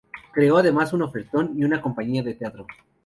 Creó además un orfeón y una compañía de teatro.